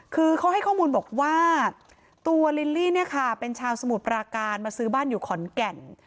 คือเขาให้ข้อมูลบอกว่าตัวลิลลี่เนี่ยค่ะเป็นชาวสมุทรปราการมาซื้อบ้านอยู่ขอนแก่น